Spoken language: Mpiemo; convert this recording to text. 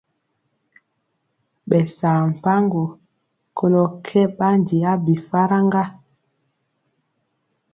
Ɓɛ saa mpaŋgo kolɔ kɛ ɓandi a bi faraŋga.